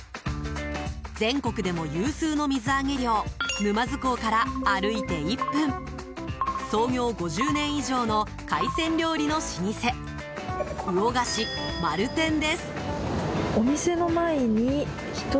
全国でも有数の水揚げ量沼津港から歩いて１分創業５０年以上の海鮮料理の老舗魚河岸丸天です。